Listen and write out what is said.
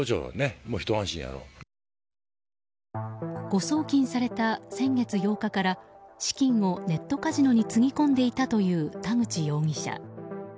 誤送金された先月８日から資金を、ネットカジノにつぎ込んだという田口容疑者。